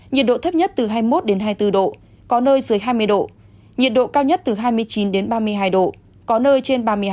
nhiệt độ thấp nhất từ hai mươi bốn đến hai mươi bảy độ c nhiệt độ cao nhất từ ba mươi một đến ba mươi bốn độ c